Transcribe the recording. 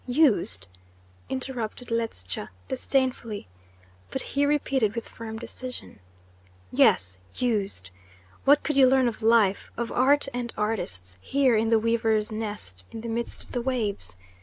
"Used?" interrupted Ledscha disdainfully; but he repeated with firm decision: "Yes, used! What could you learn of life, of art and artists, here in the weaver's nest in the midst of the waves?